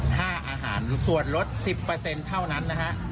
ค่าอาหารส่วนลด๑๐เท่านั้นนะฮะ